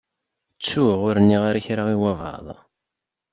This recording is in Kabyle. Ttuɣ ur nniɣ ara kra i wabɛaḍ.